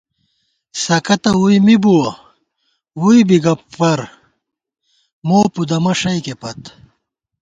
سَکہ تہ ووئی می بُوَہ ووئی بی گہ پَر ، مُو پُدَمہ ݭَئیکے پت